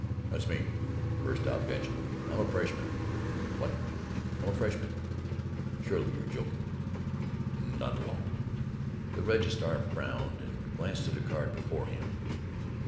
"That's me!" burst out Benjamin. "I'm a freshman." "What!" "I'm a freshman." "Surely you're joking." "Not at all." The registrar frowned and glanced at a card before him.